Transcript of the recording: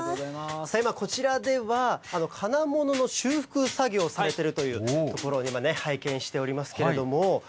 今、こちらでは、金物の修復作業をされてるというところをね、今、拝見しておりますけれども。